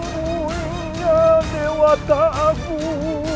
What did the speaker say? kembuihnya dewata agu agumadu